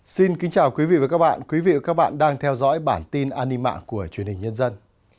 xin kính chào quý vị và các bạn quý vị và các bạn đang theo dõi bản tin anima của truyền hình nhân dân